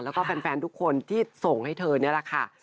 แล้วก็แฟนทุกคนที่ส่งให้เธอนี่แหละค่ะ